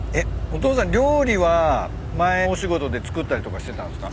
お父さん料理は前のお仕事で作ったりとかしてたんすか？